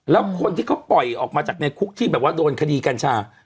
แล้วคนที่เขาปล่อยออกมาจากในคุกที่แบบว่าโดนคดีกัญชา